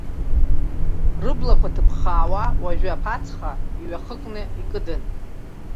Рыблақәа ҭыԥхаауа, уажәы аԥацха иҩахыкны икыдын.